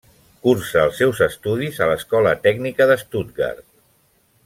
Cursa els seus estudis a l'Escola Tècnica de Stuttgart.